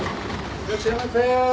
いらっしゃいませ。